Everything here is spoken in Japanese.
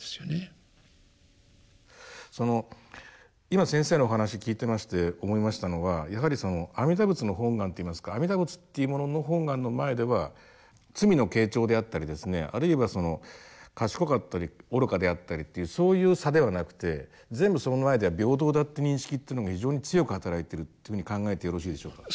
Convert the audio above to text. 今先生のお話聞いてまして思いましたのはやはりその阿弥陀仏の本願っていいますか阿弥陀仏っていうものの本願の前では罪の軽重であったりですねあるいはその賢かったり愚かであったりっていうそういう差ではなくて全部その前では平等だって認識っていうのが非常に強くはたらいているというふうに考えてよろしいでしょうか。